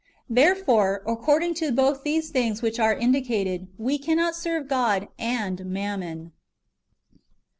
Therefore, accordino to both these things which are indicated, we cannot serve God and mammon.